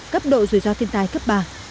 cấp độ rủi ro thiên tài cấp ba